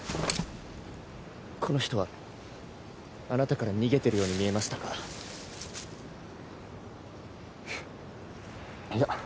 この人はあなたから逃げてるように見えましたが。